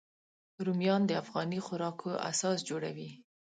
رومیان د افغاني خوراکو اساس جوړوي